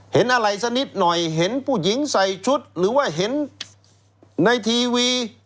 เห็นอะไรสักนิดหน่อยเห็นผู้หญิงใส่ชุดหรือว่าเห็นในทีวี